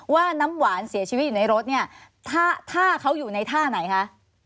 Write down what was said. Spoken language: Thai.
น้ำหวานเสียชีวิตอยู่ในรถเนี่ยถ้าเขาอยู่ในท่าไหนคะ